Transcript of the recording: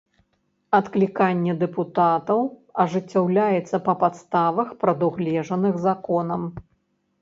Адкліканне дэпутатаў ажыццяўляецца па падставах, прадугледжаных законам.